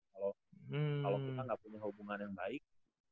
kalau kita nggak punya hubungan yang baik